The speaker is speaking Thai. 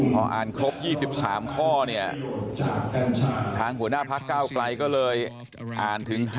พออ่านครบ๒๓ข้อเนี่ยทางหัวหน้าพักเก้าไกลก็เลยอ่านถึง๕